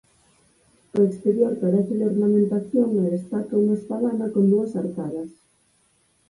O exterior carece de ornamentación e destaca unha espadana con dúas arcadas.